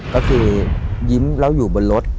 ก็คือยิ้มแล้วอยู่บนรถ